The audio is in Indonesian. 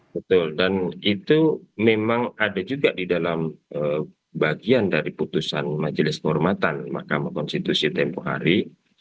betul dan itu memang ada juga di dalam bagian dari putusan majelis kehormatan mahkamah konstitusi tempoh hari